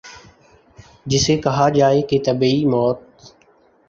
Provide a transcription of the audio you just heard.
جسے کہا جائے کہ طبیعی موت